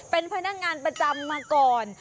เป็นพนักงานประจำมาก่อน